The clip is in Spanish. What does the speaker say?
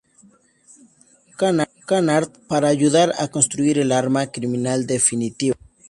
Canard para ayudar a construir el arma criminal definitiva.